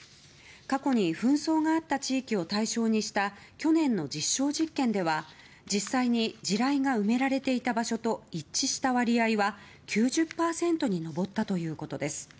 過去に紛争があった地域を対象にした去年の実証実験では実際に地雷が埋められていた場所と一致した割合は９０％に上ったということです。